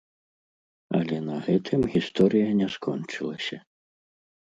Але на гэтым гісторыя не скончылася.